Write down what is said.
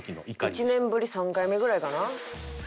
１年ぶり３回目ぐらいかな？